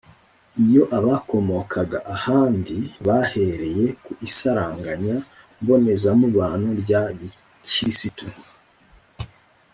iyo abakomokaga ahandi bahereye ku isaranganya mbonezamubano rya gikristu